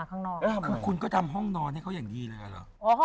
คุณก็ทำห้องนอนให้เขาอย่างดีเลย